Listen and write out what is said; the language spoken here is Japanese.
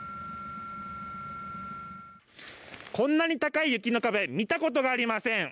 こんなに高い雪の壁見たことがありません。